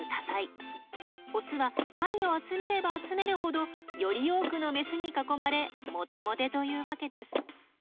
オスは貝を集めれば集めるほどより多くのメスに囲まれモテモテというわけです。